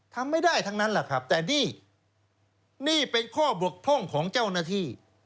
ทำไม่ได้ทั้งนั้นแหละครับแต่นี่นี่เป็นข้อบกพร่องของเจ้าหน้าที่